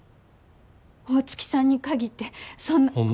大月さんに限ってそんな。